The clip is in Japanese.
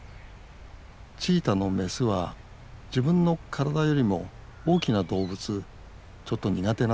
チーターのメスは自分の体よりも大きな動物ちょっと苦手なんですよね。